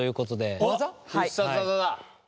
必殺技だ。